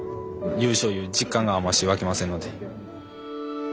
優勝いう実感があんまし湧きませんので。